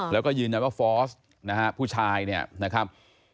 แล้วก็ยืนยันว่าฟอร์สนะฮะผู้ชายเนี่ยนะครับ